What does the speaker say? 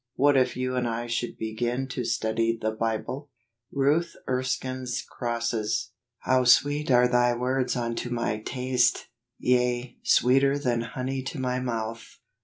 What if you and I should be¬ gin to study the Bible ? Ruth Erskine's Crosses. " How sweet are thy words unto my taste l yea, sxoeeter than honey to my mouth